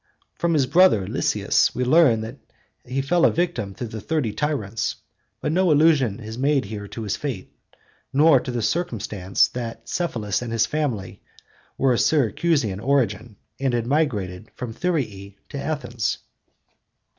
From his brother Lysias (contra Eratosth.) we learn that he fell a victim to the Thirty Tyrants, but no allusion is here made to his fate, nor to the circumstance that Cephalus and his family were of Syracusan origin, and had migrated from Thurii to Athens.